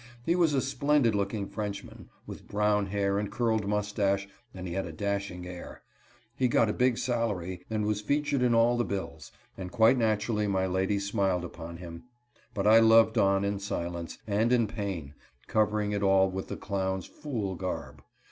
He was a splendid looking Frenchman, with brown hair and curled mustache, and he had a dashing air. He got a big salary, was featured in all the bills, and quite naturally my lady smiled upon him. But I loved on in silence, and in pain, covering it all with the clown's fool garb.